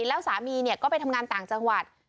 แล้วสามีก็ไปทำงานต่างจังหวัด